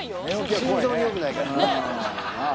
心臓によくないからああ